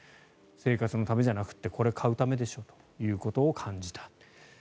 生活のためじゃなくてこれを買うためでしょということを感じた。